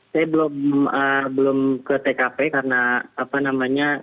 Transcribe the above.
saya belum ke tkp karena apa namanya